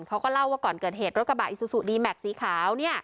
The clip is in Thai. เขาเล่าว่าก่อนเกิดเหตุรถกระบะสีขาว